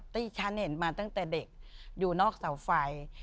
ที่ฉันเห็นมาตั้งแต่เด็กอยู่นอกเสาไฟ